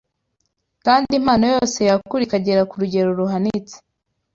kandi impano yose yakura ikagera ku rugero ruhanitse